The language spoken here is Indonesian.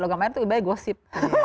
logam air itu ibaratnya gosip